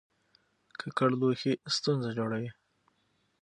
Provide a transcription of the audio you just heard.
ککړ لوښي ستونزه جوړوي.